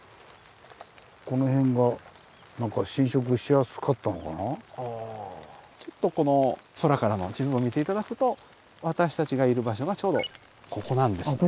この辺がなんかちょっとこの空からの地図を見て頂くと私たちがいる場所がちょうどここなんですね。